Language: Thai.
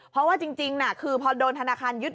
เพราะว่าจริงคือพอโดนธนาคารยึด